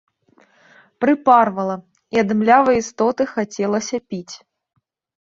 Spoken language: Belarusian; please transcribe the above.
Прыпарвала, і ад млявай істоты хацелася піць.